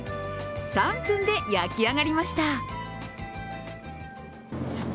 ３分で焼き上がりました。